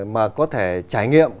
mà có thể trải nghiệm